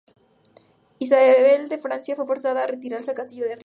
Isabel de Francia fue forzada a retirarse al castillo de Rising.